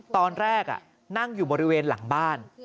ตอนแรกนั่งอยู่บริเวณหลังบ้าน